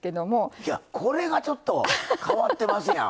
これがちょっと変わってますやん。